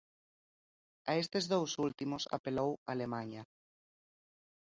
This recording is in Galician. A estes dous últimos apelou Alemaña.